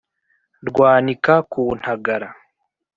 Rwanika ku ntagara,